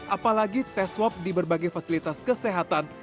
apalagi tes swab di berbagai fasilitas kesehatan